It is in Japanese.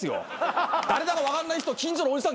誰だか分かんない人近所のおじさん